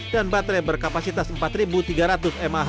dan baterai berkapasitas empat ribu tiga ratus mah